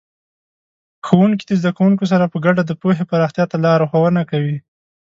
ښوونکي د زده کوونکو سره په ګډه د پوهې پراختیا ته لارښوونه کوي.